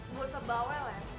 buasah bawa len